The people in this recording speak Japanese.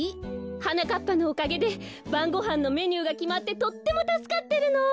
はなかっぱのおかげでばんごはんのメニューがきまってとってもたすかってるの。